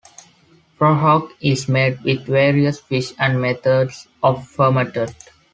Prahok is made with various fish and methods of fermented.